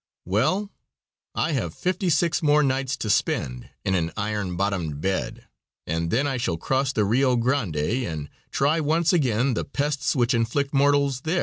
Well, I have fifty six more nights to spend in an iron bottomed bed and then I shall cross the Rio Grande, and try once again the pests which inflict mortals there.